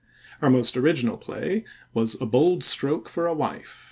Her most original play was A Bold Stroke for a Wife (1717).